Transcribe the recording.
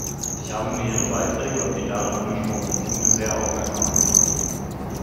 Ich habe mir ihre Beiträge und die darin angesprochenen Punkte sehr aufmerksam angehört.